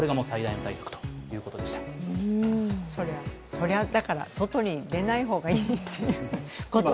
そりゃだから、外に出ない方がいいということですね。